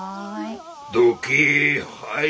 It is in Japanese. はい。